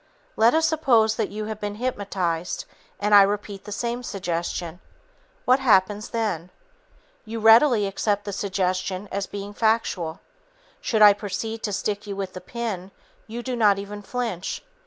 Let us suppose that you have been hypnotized and I repeat the same suggestion. What happens then? You readily accept the suggestion as being factual. Should I proceed to stick you with the pin, you do not even flinch.